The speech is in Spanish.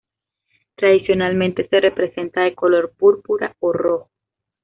Tradicionalmente se representa de color púrpura o rojo.